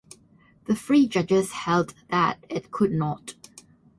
The three judges held that it could not.